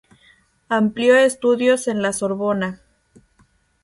Amplió estudios en la Sorbona.